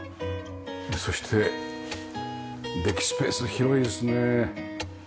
そしてデッキスペース広いですね。